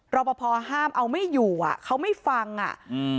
รอปภห้ามเอาไม่อยู่อ่ะเขาไม่ฟังอ่ะอืม